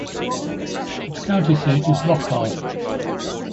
Its county seat is Lockhart.